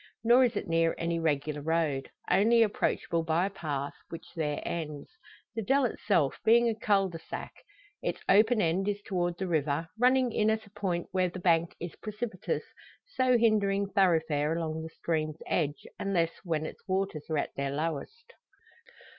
Nor is it near any regular road; only approachable by a path, which there ends; the dell itself being a cul de sac. Its open end is toward the river, running in at a point where the bank is precipitous, so hindering thoroughfare along the stream's edge, unless when its waters are at their lowest.